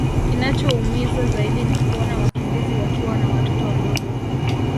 Kinachoumiza zaidi ni kuona wakimbizi wakiwa na watoto wadogo